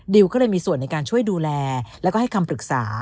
ก็เลยมีส่วนในการช่วยดูแลแล้วก็ให้คำปรึกษา